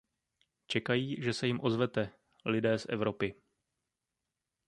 Čekají, že se jim ozvete; lidé z Evropy.